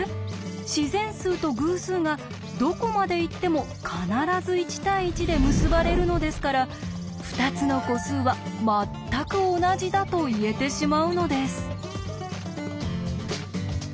自然数と偶数がどこまでいっても必ず１対１で結ばれるのですから２つの個数は「まったく同じだ」と言えてしまうのです。